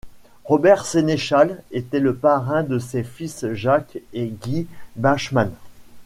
Robert Sénéchal était le parrain de ses fils Jacques et Guy Bachmann.